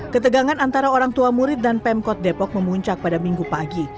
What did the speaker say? ketegangan antara orang tua murid dan pemkot depok memuncak pada minggu pagi